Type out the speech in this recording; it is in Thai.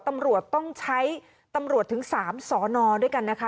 ตำรวจต้องใช้ตำรวจถึง๓สอนอด้วยกันนะคะ